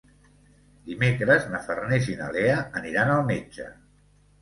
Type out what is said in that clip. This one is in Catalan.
Dimecres na Farners i na Lea aniran al metge.